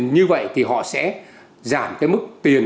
như vậy thì họ sẽ giảm cái mức tiền